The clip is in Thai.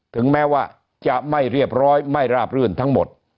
ถึงแม้ว่าจะไม่เรียบร้อยไม่ราบรื่นทั้งหมด